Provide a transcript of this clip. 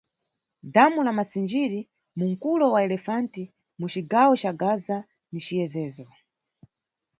Dhamu la Massingiri, mu mkulo wa Elefante, mu cigawo ca Gaza ni ciyezezo.